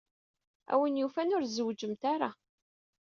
A win yufan, ur tzewwǧemt ara.